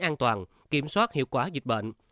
an toàn kiểm soát hiệu quả dịch bệnh